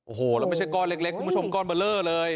โอ้โหแล้วไม่ใช่ก้อนเล็กคุณผู้ชมก้อนเบอร์เลอร์เลย